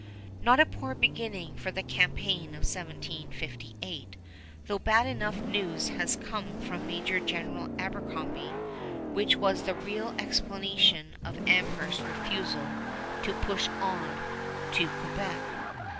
Not a poor beginning for the campaign of 1758, though bad enough news has come from Major General Abercrombie, which was the real explanation of Amherst's refusal to push on to Quebec.